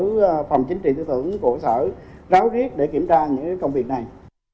với phòng chính trị tư tưởng của sở ráo riết để kiểm tra những công việc này